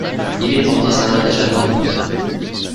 Il étendit sa main déjà noire de poudre.